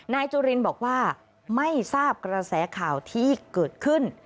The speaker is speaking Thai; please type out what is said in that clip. จุลินบอกว่าไม่ทราบกระแสข่าวที่เกิดขึ้น